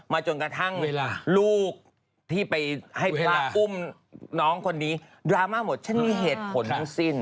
จนกระทั่งลูกที่ไปให้พระอุ้มน้องคนนี้ดราม่าหมดฉันมีเหตุผลทั้งสิ้น